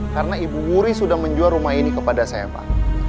karena ibu wuri sudah menjual rumah ini kepada saya pak